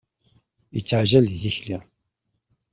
Yetteɛjal di tikli.